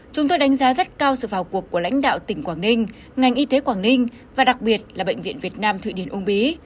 chúng tôi đánh giá rất cao sự vào cuộc của lãnh đạo tỉnh quảng ninh ngành y tế quảng ninh và đặc biệt là bệnh viện việt nam thụy điển ung bí